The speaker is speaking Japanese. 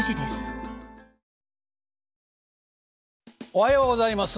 おはようございます。